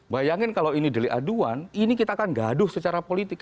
bayangin kalau ini delik aduan ini kita akan gaduh secara politik